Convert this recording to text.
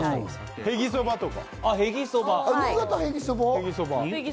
へぎそばとか？